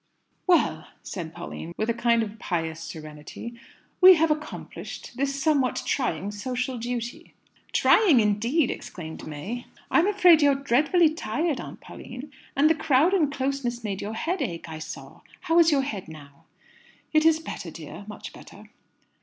"Well," said Pauline, with a kind of pious serenity, "we have accomplished this somewhat trying social duty." "Trying, indeed," exclaimed May. "I'm afraid you are dreadfully tired, Aunt Pauline. And the crowd and closeness made your head ache, I saw. How is your head now?" "It is better, dear, much better."